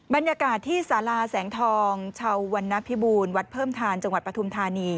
บรรยากาศที่สาราแสงทองชาววรรณพิบูรณวัดเพิ่มทานจังหวัดปฐุมธานี